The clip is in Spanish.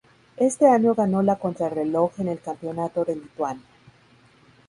Ese año ganó la contrarreloj en el Campeonato de Lituania.